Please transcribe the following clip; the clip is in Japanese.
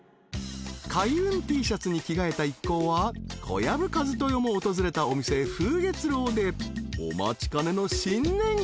［開運Ｔシャツに着替えた一行は小籔千豊も訪れたお店風月楼でお待ちかねの新年会］